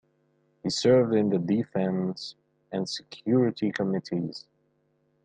He served in the defense and security committees.